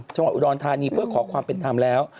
ชมอุดรณฑานีเพื่อขอความเป็นธรรมแล้ว